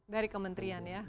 dari kementrian ya